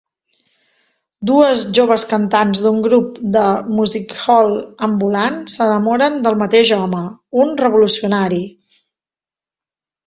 Dues joves cantants d’un grup de music-hall ambulant s’enamoren del mateix home, un revolucionari.